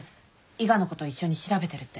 伊賀の子と一緒に調べてるって。